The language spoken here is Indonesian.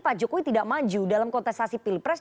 pak jokowi tidak maju dalam kontestasi pilpres